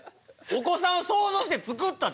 お子さんを想像して作った？